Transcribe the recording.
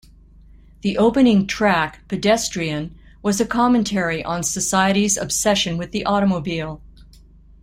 The opening track, "Pedestrian", was a commentary on society's obsession with the automobile.